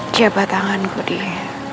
tiap batanganku dia